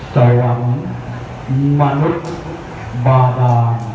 สวรรค์มนุษย์บาธา